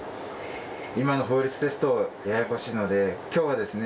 今の法律ですとややこしいので今日はですね